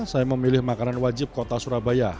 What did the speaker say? saya memilih makanan wajib kota surabaya